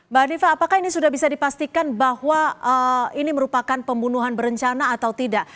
mbak hanifah apakah ini sudah bisa dipastikan bahwa ini merupakan pembunuhan berencana atau tidak